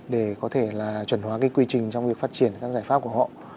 để có thể là chuẩn hóa cái quy trình trong việc phát triển các giải pháp của họ